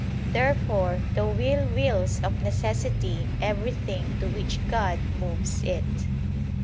Therefore the will wills of necessity everything to which God moves it.